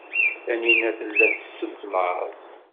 Taninna tella tesseflad.